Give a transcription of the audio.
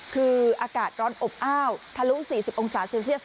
คืออากาศร้อนอบอ้าวทะลุ๔๐องศาเซลเซียส